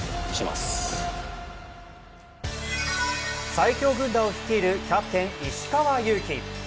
最強軍団を率いるキャプテン、石川祐希。